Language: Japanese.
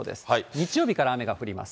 日曜日から雨が降ります。